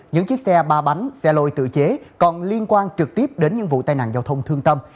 những chiếc xe ba bánh xe lôi tự chế còn liên quan trực tiếp đến những vụ tai nạn giao thông thương tâm